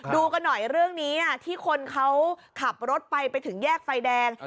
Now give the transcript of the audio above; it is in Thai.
ดูกันหน่อยเรื่องนี้ที่คนเขาขับรถไปไปถึงแยกไฟแดง